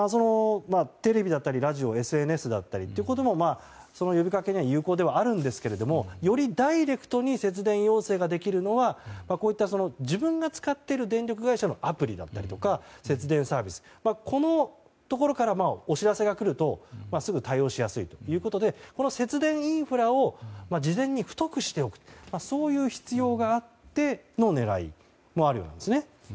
テレビだったりラジオＳＮＳだったりというのもその呼びかけには有効ではあるんですけどよりダイレクトに節電要請ができるのはこういった自分が使っている電力会社のアプリだったりとか節電サービスからお知らせが来るとすぐに対応しやすいということで節電インフラを事前に太くしておく必要があっての狙いもあるようです。